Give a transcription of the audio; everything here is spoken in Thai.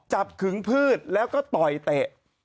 ขึงพืชแล้วก็ต่อยเตะ